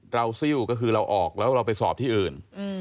ซิลก็คือเราออกแล้วเราไปสอบที่อื่น